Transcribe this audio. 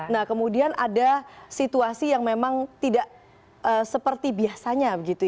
nah kemudian ada situasi yang memang tidak seperti biasanya